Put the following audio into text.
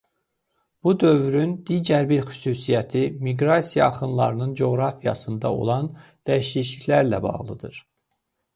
Bu dövrün digər bir xüsusiyyəti miqrasiya axınlarının coğrafiyasında olan dəyişikliklərlə bağlıdır.